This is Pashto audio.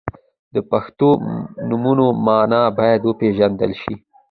• د پښتو نومونو مانا باید وپیژندل شي.